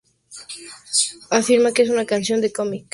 Afirma que es una canción de cómic de mafia y de sonido Bo Diddley.